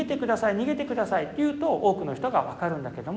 にげてください」と言うと多くの人が分かるんだけども。